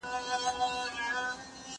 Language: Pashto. زه به سبا نان وخورم.